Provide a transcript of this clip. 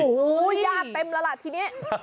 โอ้โหญาติเต็มแล้วล่ะทีนี้